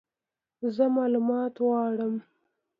زه مالومات غواړم !